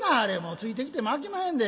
ついてきてもあきまへんで。